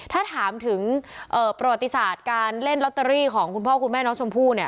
ถ้าถามถึงประวัติศาสตร์การเล่นลอตเตอรี่ของคุณพ่อคุณแม่น้องชมพู่เนี่ย